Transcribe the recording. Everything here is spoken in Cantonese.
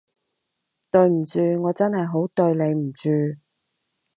對唔住，我真係好對你唔住